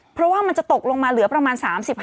เพราะว่ามันจะตกลงมาเหลือประมาณ๓๕